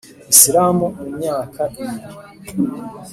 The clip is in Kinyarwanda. isilamu mu myaka ibiri,